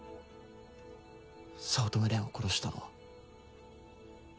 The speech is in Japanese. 早乙女蓮を殺したのは。